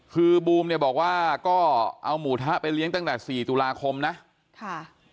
คือบูมเนี่ยบอกว่าก็เอาหมูทะไปเลี้ยงตั้งแต่สี่ตุลาคมนะค่ะ